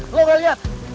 lu gak liat